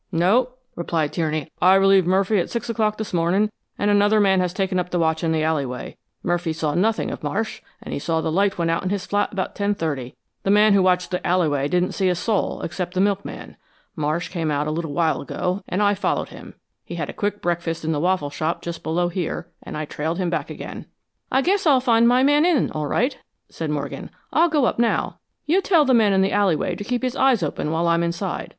"No," replied Tierney. "I relieved Murphy at six o'clock this morning, and another man has taken up the watch in the alleyway. Murphy saw nothing of Marsh, and he said the light went out in his flat about 10:30. The man who watched the alleyway didn't see a soul except the milkman. Marsh came out a little while ago and I followed him. He had a quick breakfast in the waffle shop just below here, and I trailed him back again." "I guess I'll find my man in, all right," said Morgan. "I'll go up now. You tell the man in the alleyway to keep his eyes open while I'm inside.